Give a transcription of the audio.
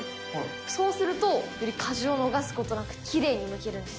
そうすると、果汁を逃すことなくきれいにむけるんです。